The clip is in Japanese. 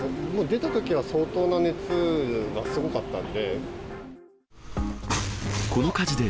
出たときは相当な熱がすごかったんで。